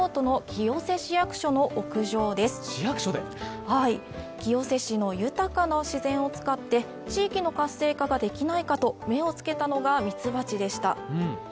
清瀬市の豊かな自然を使って地域の活性化ができないかと目をつけたのがみちばちでした。